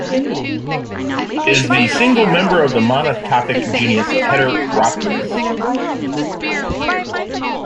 It is the single member of the monotypic genus "Heteropterus".